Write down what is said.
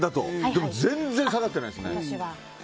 でも、全然下がってないですね。